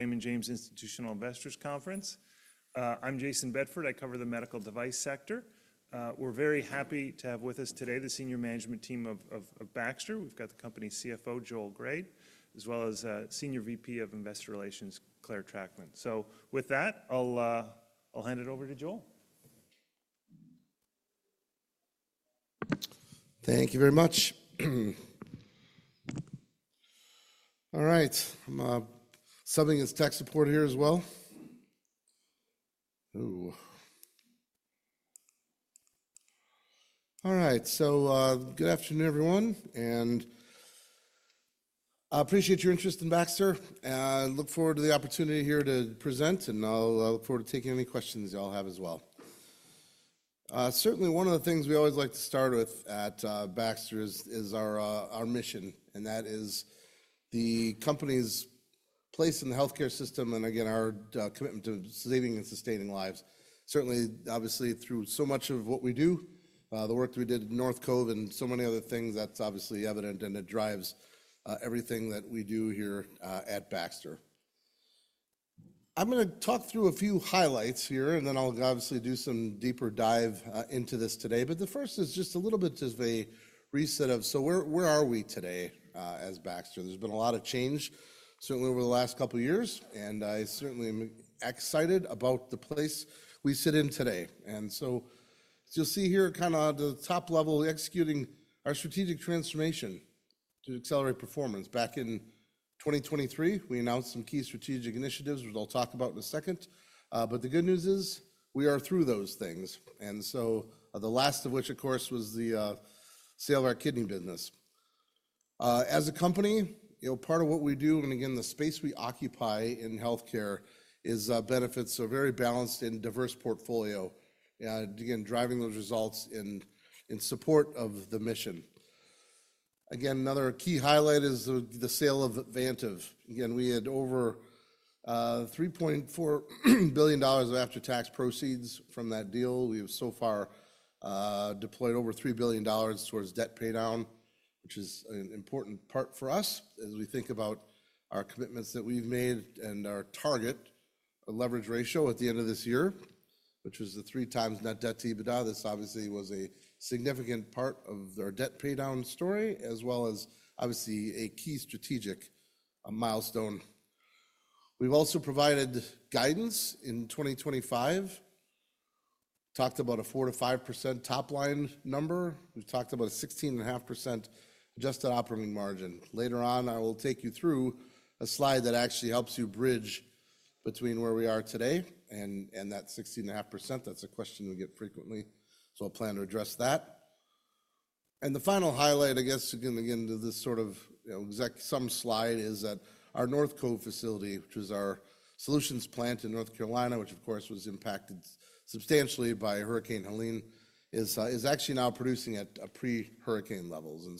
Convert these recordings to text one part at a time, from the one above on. Raymond James Institutional Investors Conference. I'm Jayson Bedford. I cover the medical device sector. We're very happy to have with us today the senior management team of Baxter. We've got the company's CFO, Joel Grade, as well as senior VP of investor relations, Clare Trachtman. So with that, I'll hand it over to Joel. Thank you very much. All right. Something is tech support here as well. All right. Good afternoon, everyone. I appreciate your interest in Baxter. I look forward to the opportunity here to present, and I'll look forward to taking any questions y'all have as well. Certainly, one of the things we always like to start with at Baxter is our mission, and that is the company's place in the healthcare system and, again, our commitment to saving and sustaining lives. Certainly, obviously, through so much of what we do, the work that we did at North Cove and so many other things, that's obviously evident, and it drives everything that we do here at Baxter. I'm going to talk through a few highlights here, and then I'll obviously do some deeper dive into this today. But the first is just a little bit of a reset of, so where are we today as Baxter? There's been a lot of change, certainly over the last couple of years, and I certainly am excited about the place we sit in today. And so you'll see here kind of at the top level, executing our strategic transformation to accelerate performance. Back in 2023, we announced some key strategic initiatives, which I'll talk about in a second. But the good news is we are through those things. And so the last of which, of course, was the sale of our kidney business. As a company, part of what we do, and again, the space we occupy in healthcare is benefits, so a very balanced and diverse portfolio, and again, driving those results in support of the mission. Again, another key highlight is the sale of Vantive. Again, we had over $3.4 billion of after-tax proceeds from that deal. We have so far deployed over $3 billion towards debt paydown, which is an important part for us as we think about our commitments that we've made and our target leverage ratio at the end of this year, which was the three times net debt to EBITDA. This obviously was a significant part of our debt paydown story, as well as obviously a key strategic milestone. We've also provided guidance in 2025, talked about a 4%-5% top line number. We've talked about a 16.5% adjusted operating margin. Later on, I will take you through a slide that actually helps you bridge between where we are today and that 16.5%. That's a question we get frequently, so I'll plan to address that. And the final highlight, I guess, again, to this sort of exact sum slide is that our North Cove facility, which was our solutions plant in North Carolina, which of course was impacted substantially by Hurricane Helene, is actually now producing at pre-hurricane levels. And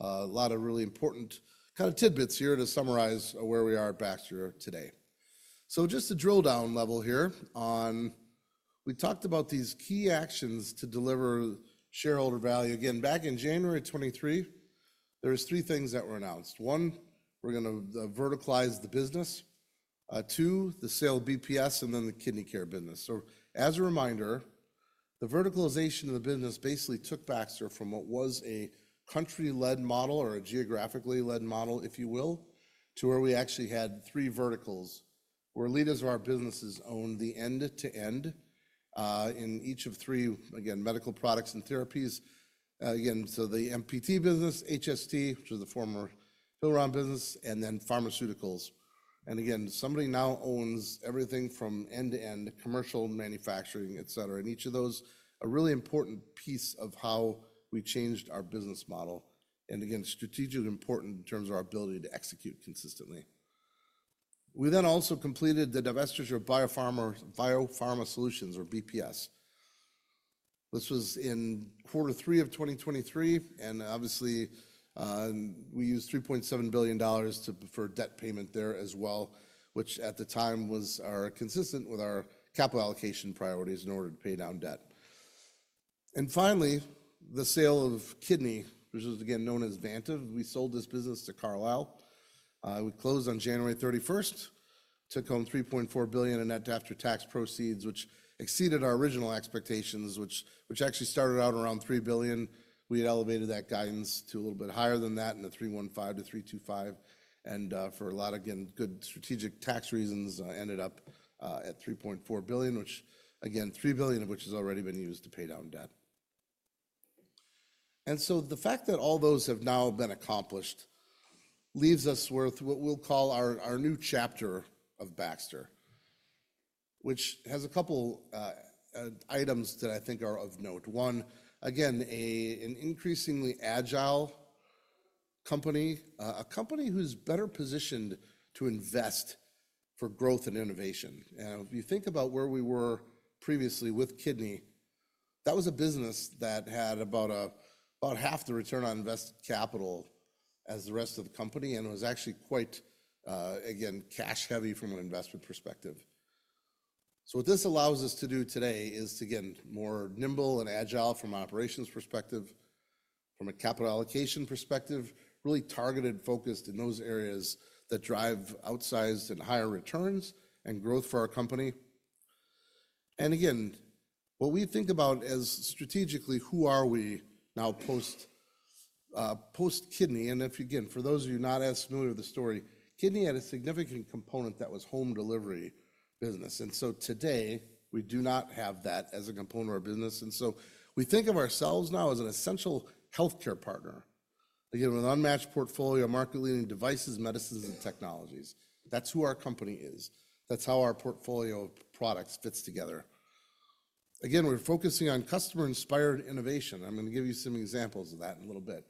so a lot of really important kind of tidbits here to summarize where we are at Baxter today. So just a drill down level here, we talked about these key actions to deliver shareholder value. Again, back in January 2023, there were three things that were announced. One, we're going to verticalize the business. Two, the sale of BPS and then the Kidney Care business. As a reminder, the verticalization of the business basically took Baxter from what was a country-led model or a geographically-led model, if you will, to where we actually had three verticals where leaders of our businesses owned the end-to-end in each of three, again, medical products and therapies. Again, so the MPT business, HST, which was the former Hillrom business, and then Pharmaceuticals. And again, somebody now owns everything from end-to-end commercial manufacturing, et cetera. And each of those is a really important piece of how we changed our business model. And again, strategically important in terms of our ability to execute consistently. We then also completed the divestiture of BioPharma Solutions, or BPS. This was in quarter three of 2023, and obviously we used $3.7 billion for debt payment there as well, which at the time was consistent with our capital allocation priorities in order to pay down debt. Finally, the sale of the kidney care business, which was again known as Vantive. We sold this business to Carlyle. We closed on January 31st, took home $3.4 billion in net after-tax proceeds, which exceeded our original expectations, which actually started out around $3 billion. We had elevated that guidance to a little bit higher than that in the $3.15 billion-$3.25 billion. And for a lot of, again, good strategic tax reasons, ended up at $3.4 billion, which again, $3 billion of which has already been used to pay down debt. And so the fact that all those have now been accomplished leaves us with what we'll call our new chapter of Baxter, which has a couple of items that I think are of note. One, again, an increasingly agile company, a company who's better positioned to invest for growth and innovation. And if you think about where we were previously with kidney, that was a business that had about half the return on invested capital as the rest of the company and was actually quite, again, cash-heavy from an investment perspective. So what this allows us to do today is to get more nimble and agile from an operations perspective, from a capital allocation perspective, really targeted, focused in those areas that drive outsized and higher returns and growth for our company. And again, what we think about as strategically, who are we now post-kidney? Again, for those of you not as familiar with the story, kidney had a significant component that was home delivery business. So today, we do not have that as a component of our business. So we think of ourselves now as an essential healthcare partner, again, with an unmatched portfolio of market-leading devices, medicines, and technologies. That's who our company is. That's how our portfolio of products fits together. Again, we're focusing on customer-inspired innovation. I'm going to give you some examples of that in a little bit.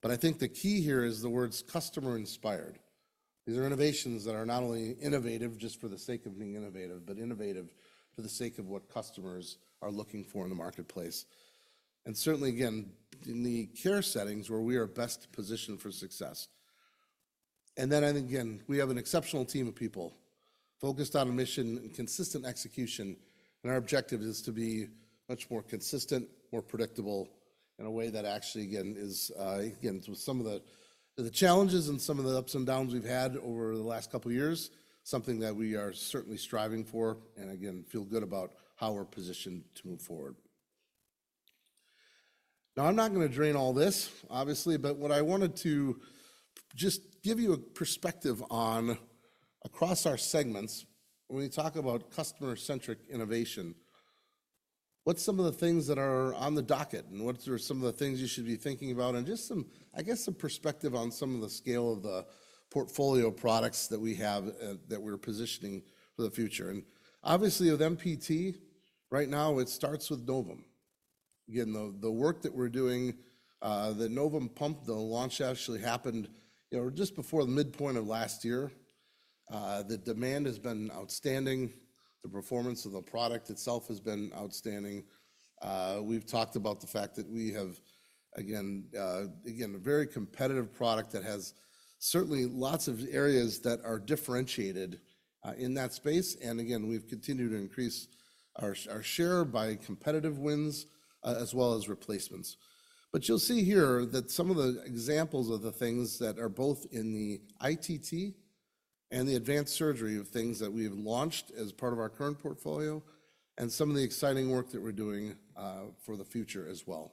But I think the key here is the words customer-inspired. These are innovations that are not only innovative just for the sake of being innovative, but innovative for the sake of what customers are looking for in the marketplace. Certainly, again, in the care settings where we are best positioned for success. And then I think, again, we have an exceptional team of people focused on a mission and consistent execution. And our objective is to be much more consistent, more predictable in a way that actually, again, is, again, with some of the challenges and some of the ups and downs we've had over the last couple of years, something that we are certainly striving for and again, feel good about how we're positioned to move forward. Now, I'm not going to drain all this, obviously, but what I wanted to just give you a perspective on across our segments, when we talk about customer-centric innovation, what's some of the things that are on the docket and what are some of the things you should be thinking about and just some, I guess, some perspective on some of the scale of the portfolio products that we have that we're positioning for the future. And obviously, with MPT, right now, it starts with Novum. Again, the work that we're doing, the Novum pump, the launch actually happened just before the midpoint of last year. The demand has been outstanding. The performance of the product itself has been outstanding. We've talked about the fact that we have, again, a very competitive product that has certainly lots of areas that are differentiated in that space. Again, we've continued to increase our share by competitive wins as well as replacements. But you'll see here that some of the examples of the things that are both in the ITT and the Advanced Surgery of things that we've launched as part of our current portfolio and some of the exciting work that we're doing for the future as well.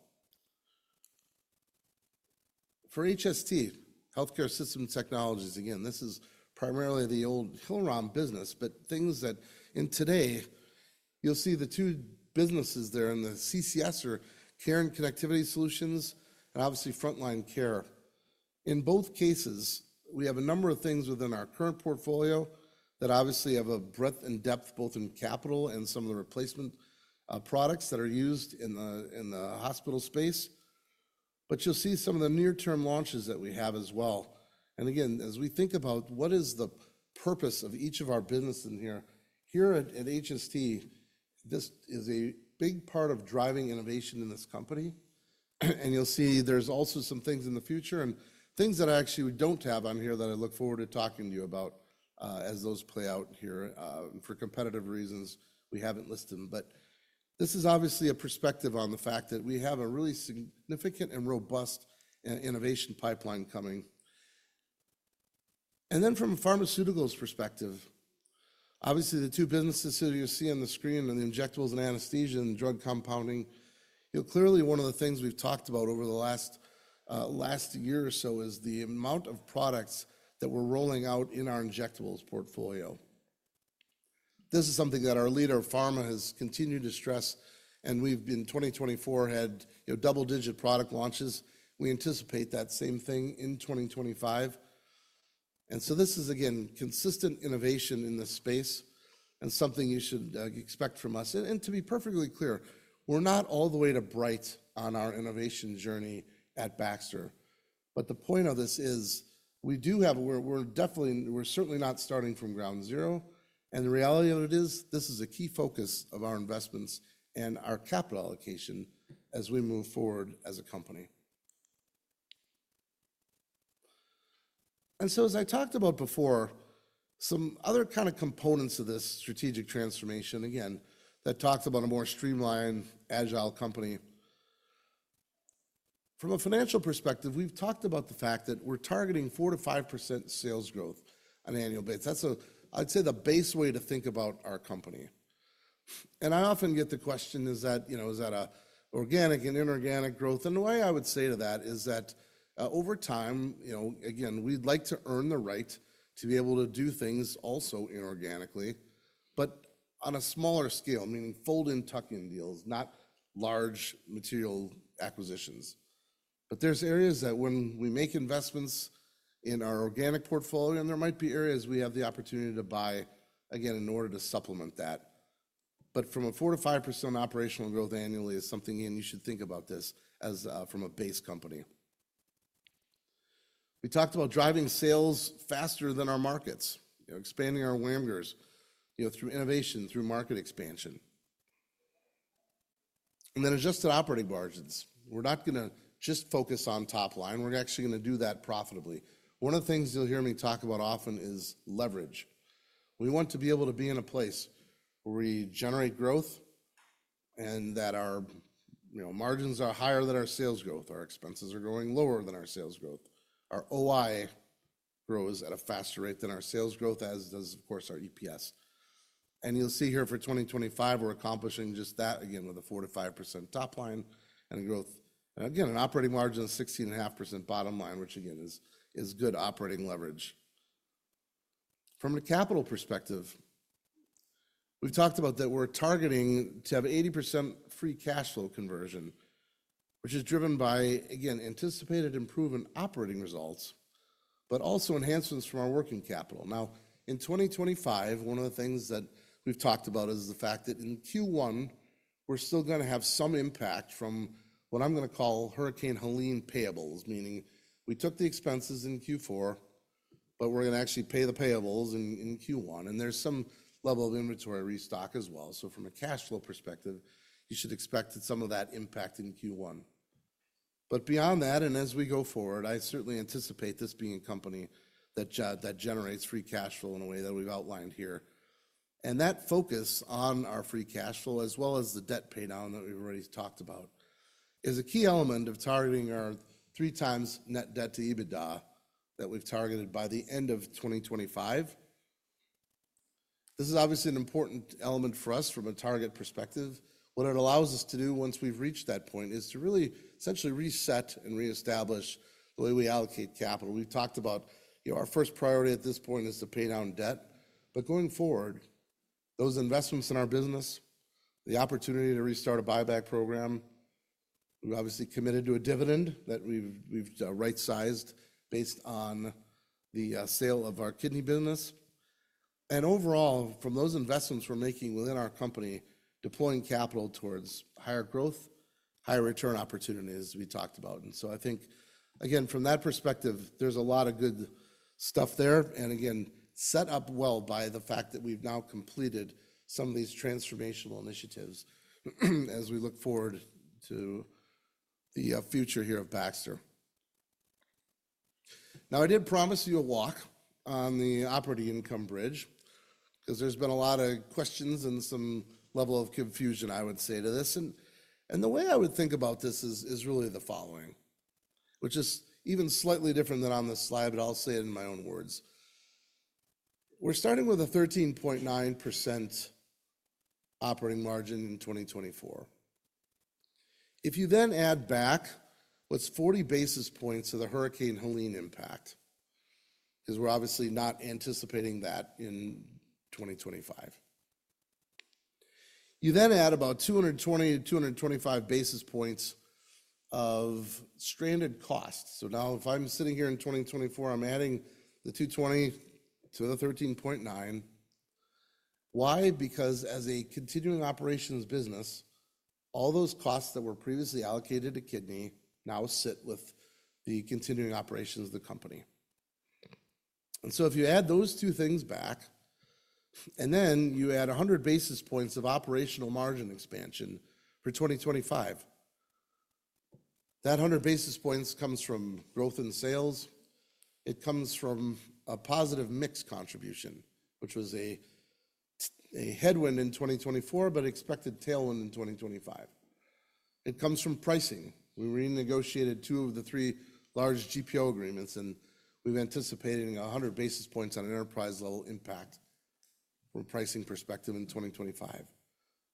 For HST, Healthcare Systems Technologies, again, this is primarily the old Hillrom business, but things that, in today, you'll see the two businesses there in the CCS are Care and Connectivity Solutions and obviously Frontline Care. In both cases, we have a number of things within our current portfolio that obviously have a breadth and depth both in capital and some of the replacement products that are used in the hospital space. But you'll see some of the near-term launches that we have as well. And again, as we think about what is the purpose of each of our businesses in here, here at HST, this is a big part of driving innovation in this company. And you'll see there's also some things in the future and things that actually we don't have on here that I look forward to talking to you about as those play out here for competitive reasons we haven't listed. But this is obviously a perspective on the fact that we have a really significant and robust innovation pipeline coming. And then from a pharmaceuticals perspective, obviously the two businesses that you see on the screen are the Injectables and Anesthesia and Drug Compounding. Clearly, one of the things we've talked about over the last year or so is the amount of products that we're rolling out in our injectables portfolio. This is something that our leader of pharma has continued to stress, and we've been in 2024, had double-digit product launches. We anticipate that same thing in 2025, and so this is, again, consistent innovation in the space and something you should expect from us, and to be perfectly clear, we're not all the way to bright on our innovation journey at Baxter, but the point of this is we do have, we're definitely, we're certainly not starting from ground zero, and the reality of it is this is a key focus of our investments and our capital allocation as we move forward as a company, and so as I talked about before, some other kind of components of this strategic transformation, again, that talks about a more streamlined, agile company. From a financial perspective, we've talked about the fact that we're targeting 4%-5% sales growth on annual basis. That's a, I'd say the base way to think about our company. And I often get the question, is that, you know, is that an organic and inorganic growth? And the way I would say to that is that over time, you know, again, we'd like to earn the right to be able to do things also inorganically, but on a smaller scale, meaning fold-in tuck-in deals, not large material acquisitions. But there's areas that when we make investments in our organic portfolio, and there might be areas we have the opportunity to buy, again, in order to supplement that. But from a 4%-5% operational growth annually is something, again, you should think about this as from a base company. We talked about driving sales faster than our markets, you know, expanding our margins, you know, through innovation, through market expansion. And then adjusted operating margins. We're not going to just focus on top line. We're actually going to do that profitably. One of the things you'll hear me talk about often is leverage. We want to be able to be in a place where we generate growth and that our margins are higher than our sales growth, our expenses are growing lower than our sales growth, our OI grows at a faster rate than our sales growth, as does, of course, our EPS. And you'll see here for 2025, we're accomplishing just that, again, with a 4%-5% top line and growth. And again, an operating margin of 16.5% bottom line, which again is good operating leverage. From a capital perspective, we've talked about that we're targeting to have 80% free cash flow conversion, which is driven by, again, anticipated improvement operating results, but also enhancements from our working capital. Now, in 2025, one of the things that we've talked about is the fact that in Q1, we're still going to have some impact from what I'm going to call Hurricane Helene payables, meaning we took the expenses in Q4, but we're going to actually pay the payables in Q1, and there's some level of inventory restock as well, so from a cash flow perspective, you should expect some of that impact in Q1, but beyond that, and as we go forward, I certainly anticipate this being a company that generates free cash flow in a way that we've outlined here. And that focus on our free cash flow, as well as the debt paydown that we've already talked about, is a key element of targeting our three times net debt to EBITDA that we've targeted by the end of 2025. This is obviously an important element for us from a target perspective. What it allows us to do once we've reached that point is to really essentially reset and reestablish the way we allocate capital. We've talked about, you know, our first priority at this point is to pay down debt. But going forward, those investments in our business, the opportunity to restart a buyback program, we've obviously committed to a dividend that we've right-sized based on the sale of our kidney business. And overall, from those investments we're making within our company, deploying capital towards higher growth, higher return opportunities, as we talked about. And so I think, again, from that perspective, there's a lot of good stuff there. And again, set up well by the fact that we've now completed some of these transformational initiatives as we look forward to the future here of Baxter. Now, I did promise you a walk on the operating income bridge because there's been a lot of questions and some level of confusion, I would say, to this. And the way I would think about this is really the following, which is even slightly different than on this slide, but I'll say it in my own words. We're starting with a 13.9% operating margin in 2024. If you then add back what's 40 basis points of the Hurricane Helene impact, because we're obviously not anticipating that in 2025, you then add about 220-225 basis points of stranded costs. Now if I'm sitting here in 2024, I'm adding the 220 to the 13.9. Why? Because as a continuing operations business, all those costs that were previously allocated to kidney now sit with the continuing operations of the company. If you add those two things back and then you add 100 basis points of operational margin expansion for 2025, that 100 basis points comes from growth in sales. It comes from a positive mix contribution, which was a headwind in 2024, but expected tailwind in 2025. It comes from pricing. We renegotiated two of the three large GPO agreements, and we've anticipated 100 basis points on an enterprise-level impact from a pricing perspective in 2025.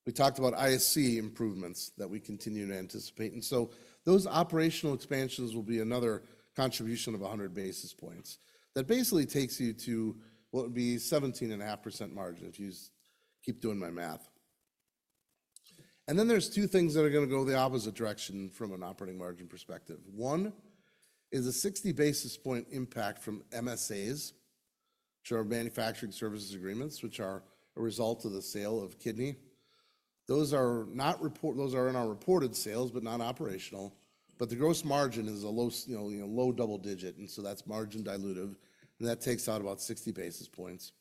We talked about ISC improvements that we continue to anticipate. Those operational expansions will be another contribution of 100 basis points. That basically takes you to what would be 17.5% margin if you keep doing my math. And then there's two things that are going to go the opposite direction from an operating margin perspective. One is a 60 basis point impact from MSAs, which are manufacturing services agreements, which are a result of the sale of kidney. Those are not reported, those are in our reported sales, but not operational. But the gross margin is a low, you know, low double digit. And so that's margin dilutive. And that takes out about 60 basis points.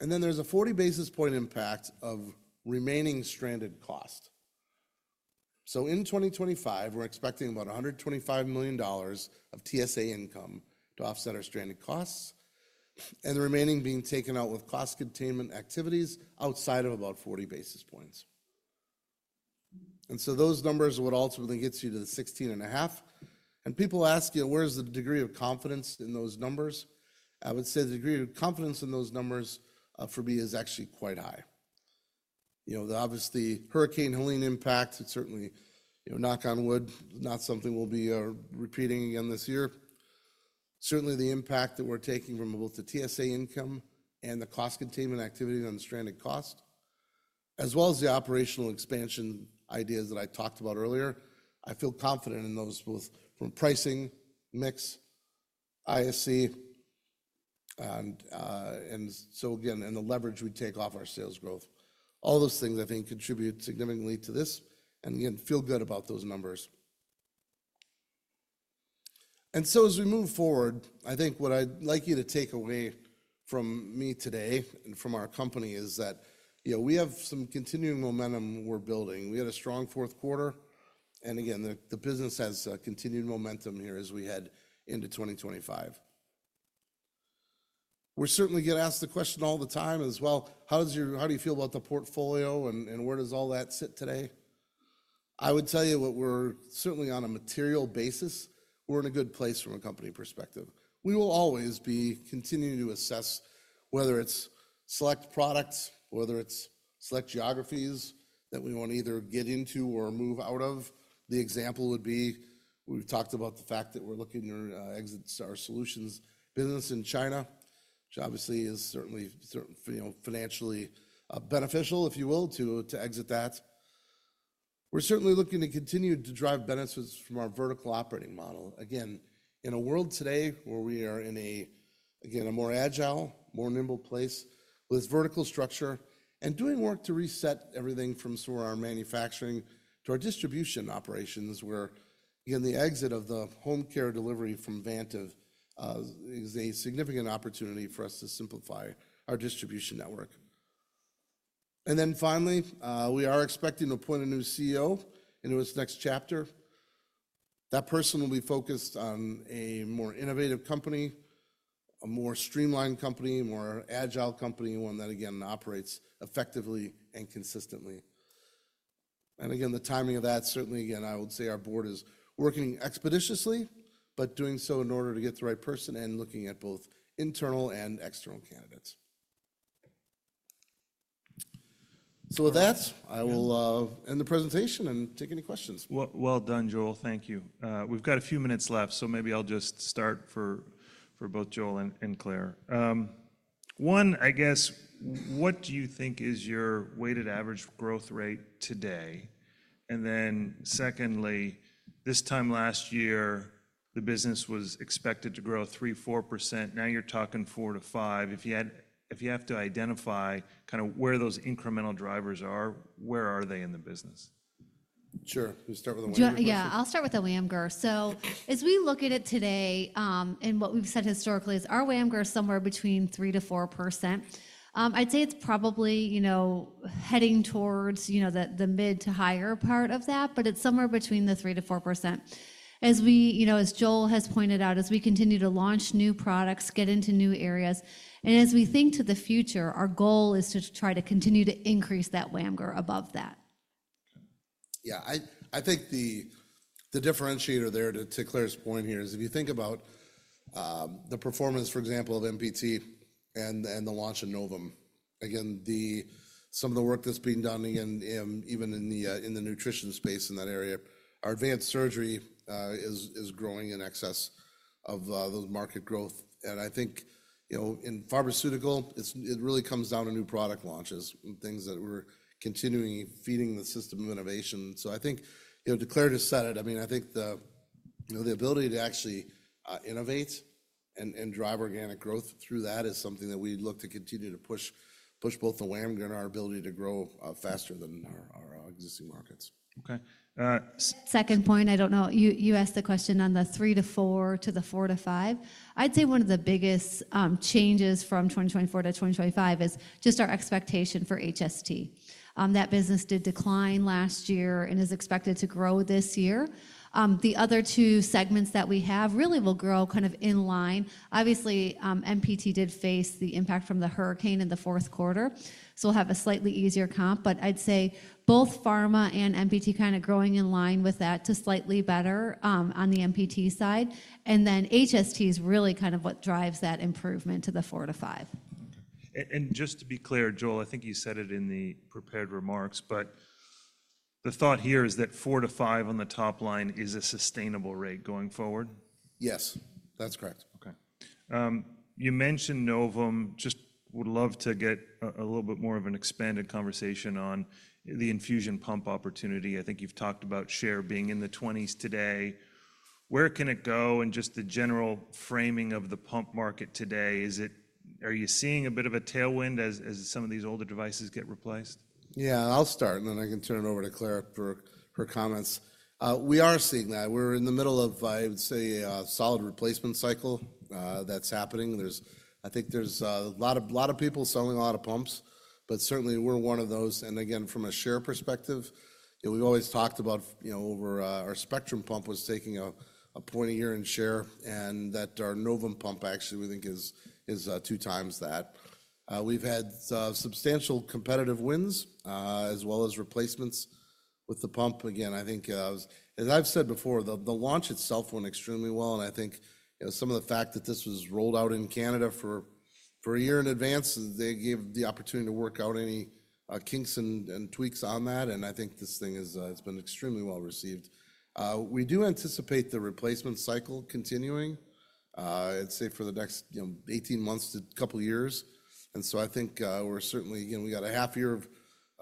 And then there's a 40 basis point impact of remaining stranded cost. So in 2025, we're expecting about $125 million of TSA income to offset our stranded costs and the remaining being taken out with cost containment activities outside of about 40 basis points. And so those numbers would ultimately get you to the 16.5%. People ask you, where's the degree of confidence in those numbers? I would say the degree of confidence in those numbers for me is actually quite high. You know, obviously Hurricane Helene impact, it's certainly, you know, knock on wood, not something we'll be repeating again this year. Certainly the impact that we're taking from both the TSA income and the cost containment activity on the stranded cost, as well as the operational expansion ideas that I talked about earlier, I feel confident in those both from pricing mix, ISC. And so again, and the leverage we take off our sales growth, all those things I think contribute significantly to this and again, feel good about those numbers. And so as we move forward, I think what I'd like you to take away from me today and from our company is that, you know, we have some continuing momentum we're building. We had a strong fourth quarter. And again, the business has continued momentum here as we head into 2025. We're certainly getting asked the question all the time as well, how does your, how do you feel about the portfolio and where does all that sit today? I would tell you, we're certainly on a material basis. We're in a good place from a company perspective. We will always be continuing to assess whether it's select products, whether it's select geographies that we want to either get into or move out of. The example would be we've talked about the fact that we're looking to exit our solutions business in China, which obviously is certainly, you know, financially beneficial, if you will, to exit that. We're certainly looking to continue to drive benefits from our vertical operating model. Again, in a world today where we are in a, again, a more agile, more nimble place with vertical structure and doing work to reset everything from some of our manufacturing to our distribution operations, where, again, the exit of the home care delivery from Vantive is a significant opportunity for us to simplify our distribution network. Then finally, we are expecting to appoint a new CEO into this next chapter. That person will be focused on a more innovative company, a more streamlined company, more agile company, one that again operates effectively and consistently. And again, the timing of that certainly, again, I would say our board is working expeditiously, but doing so in order to get the right person and looking at both internal and external candidates. So with that, I will end the presentation and take any questions. Well done, Joel. Thank you. We've got a few minutes left, so maybe I'll just start for both Joel and Clare. One, I guess, what do you think is your weighted average growth rate today? And then secondly, this time last year, the business was expected to grow 3%-4%. Now you're talking 4%-5%. If you have to identify kind of where those incremental drivers are, where are they in the business? Sure. We'll start with the WAMGR. Yeah, I'll start with the WAMGR. So as we look at it today, and what we've said historically is our WAMGR is somewhere between 3%-4%. I'd say it's probably, you know, heading towards, you know, the mid to higher part of that, but it's somewhere between the 3%-4%. As we, you know, as Joel has pointed out, as we continue to launch new products, get into new areas, and as we think to the future, our goal is to try to continue to increase that WAMGR above that. Yeah, I think the differentiator there to Clare's point here is if you think about the performance, for example, of MPT and the launch of Novum, again, some of the work that's being done again even in the nutrition space in that area, our Advanced Surgery is growing in excess of those market growth. And I think, you know, in pharmaceutical, it really comes down to new product launches, things that we're continually feeding the system of innovation. So I think, you know, to Clare just said it, I mean, I think the, you know, the ability to actually innovate and drive organic growth through that is something that we look to continue to push, push both the WAMGR and our ability to grow faster than our existing markets. Okay. Second point, I don't know, you asked the question on the 3%-4% to the 4%-5%. I'd say one of the biggest changes from 2024 to 2025 is just our expectation for HST. That business did decline last year and is expected to grow this year. The other two segments that we have really will grow kind of in line. Obviously, MPT did face the impact from the hurricane in the fourth quarter, so we'll have a slightly easier comp, but I'd say both pharma and MPT kind of growing in line with that to slightly better on the MPT side. Then HST is really kind of what drives that improvement to the 4%-5%. Just to be clear, Joel, I think you said it in the prepared remarks, but the thought here is that 4%-5% on the top line is a sustainable rate going forward. Yes, that's correct. Okay. You mentioned Novum. Just would love to get a little bit more of an expanded conversation on the infusion pump opportunity. I think you've talked about share being in the 20s today. Where can it go and just the general framing of the pump market today? Is it, are you seeing a bit of a tailwind as some of these older devices get replaced? Yeah, I'll start and then I can turn it over to Clare for her comments. We are seeing that. We're in the middle of, I would say, a solid replacement cycle that's happening. I think there's a lot of people selling a lot of pumps, but certainly we're one of those. And again, from a share perspective, you know, we've always talked about, you know, over our Spectrum pump was taking a point a year in share and that our Novum pump actually we think is two times that. We've had substantial competitive wins as well as replacements with the pump. Again, I think, as I've said before, the launch itself went extremely well. I think, you know, some of the fact that this was rolled out in Canada for a year in advance. They gave the opportunity to work out any kinks and tweaks on that. I think this thing has been extremely well received. We do anticipate the replacement cycle continuing. I'd say for the next, you know, 18 months to a couple of years. I think we're certainly, you know, we got a half year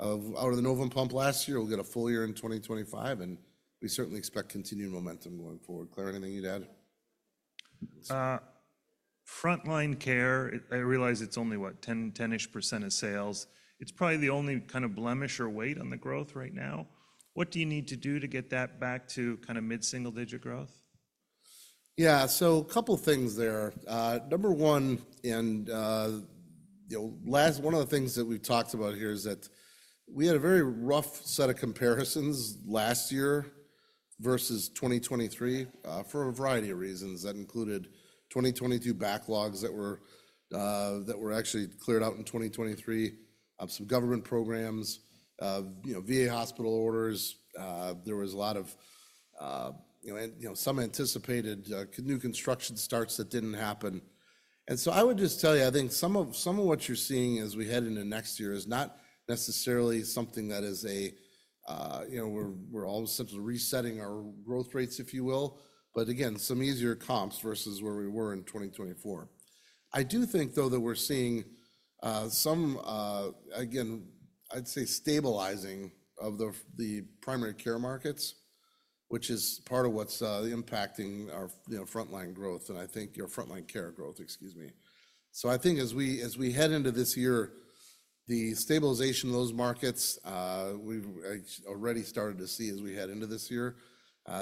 out of the Novum pump last year. We'll get a full year in 2025. We certainly expect continued momentum going forward. Clare, anything you'd add? Frontline Care, I realize it's only what, 10-ish% of sales. It's probably the only kind of blemish or weight on the growth right now. What do you need to do to get that back to kind of mid-single-digit growth? Yeah, so a couple of things there. Number one, and you know, last, one of the things that we've talked about here is that we had a very rough set of comparisons last year versus 2023 for a variety of reasons that included 2022 backlogs that were actually cleared out in 2023, some government programs, you know, VA hospital orders. There was a lot of, you know, some anticipated new construction starts that didn't happen. And so I would just tell you, I think some of what you're seeing as we head into next year is not necessarily something that is a, you know, we're all sort of resetting our growth rates, if you will, but again, some easier comps versus where we were in 2024. I do think though that we're seeing some, again, I'd say stabilizing of the primary care markets, which is part of what's impacting our, you know, frontline growth and I think your Frontline Care growth, excuse me. So I think as we head into this year, the stabilization of those markets we've already started to see as we head into this year,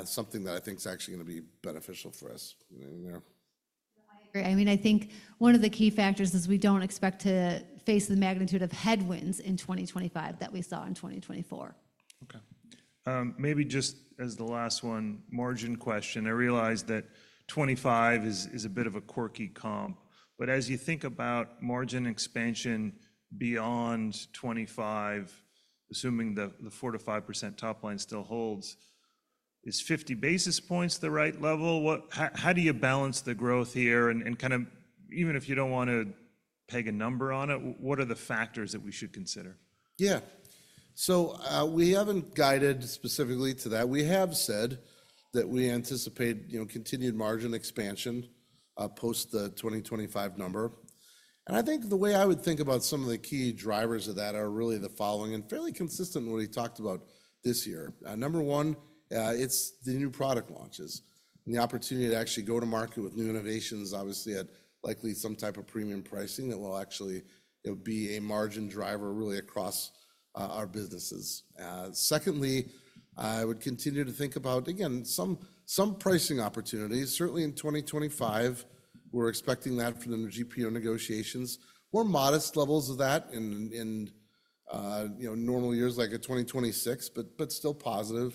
something that I think is actually going to be beneficial for us. I agree. I mean, I think one of the key factors is we don't expect to face the magnitude of headwinds in 2025 that we saw in 2024. Okay. Maybe just as the last one, margin question. I realize that 25 is a bit of a quirky comp, but as you think about margin expansion beyond 25, assuming the 4%-5% top line still holds, is 50 basis points the right level? How do you balance the growth here? And kind of even if you don't want to peg a number on it, what are the factors that we should consider? Yeah, so we haven't guided specifically to that. We have said that we anticipate, you know, continued margin expansion post the 2025 number, and I think the way I would think about some of the key drivers of that are really the following and fairly consistent with what he talked about this year. Number one, it's the new product launches and the opportunity to actually go to market with new innovations, obviously at likely some type of premium pricing that will actually be a margin driver really across our businesses. Secondly, I would continue to think about, again, some pricing opportunities. Certainly in 2025, we're expecting that from the GPO negotiations, more modest levels of that in, you know, normal years like a 2026, but still positive.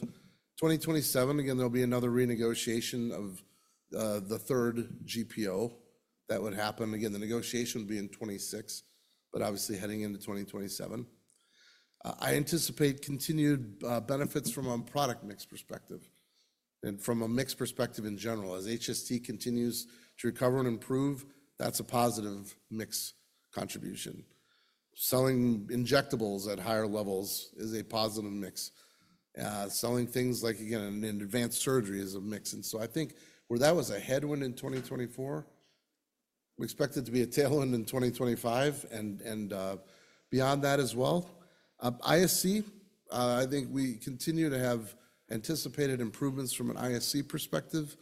2027, again, there'll be another renegotiation of the third GPO that would happen. Again, the negotiation would be in 2026, but obviously heading into 2027. I anticipate continued benefits from a product mix perspective and from a mix perspective in general. As HST continues to recover and improve, that's a positive mix contribution. Selling injectables at higher levels is a positive mix. Selling things like, again, Advanced Surgery is a mix. And so I think where that was a headwind in 2024, we expect it to be a tailwind in 2025 and beyond that as well. ISC, I think we continue to have anticipated improvements from an ISC perspective.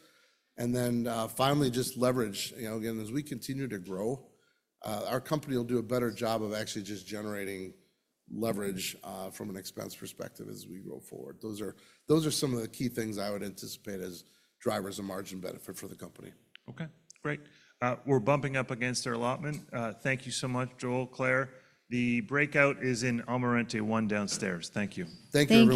And then finally, just leverage, you know, again, as we continue to grow, our company will do a better job of actually just generating leverage from an expense perspective as we go forward. Those are some of the key things I would anticipate as drivers of margin benefit for the company. Okay. Great. We're bumping up against our allotment. Thank you so much, Joel, Clare. The breakout is in Almirante One downstairs. Thank you. Thank you.